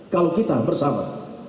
kalau kita bersama